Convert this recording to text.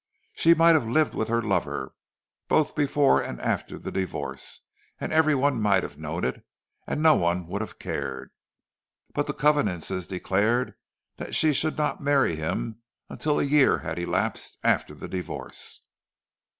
She might have lived with her lover, both before and after the divorce, and every one might have known it, and no one would have cared; but the convenances declared that she should not marry him until a year had elapsed after the divorce.